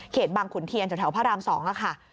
เขตบางขุนเทียนจากแถวพระราม๒อะค่ะ